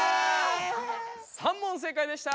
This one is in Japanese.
３問正解でした！